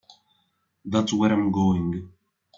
That's where I'm going.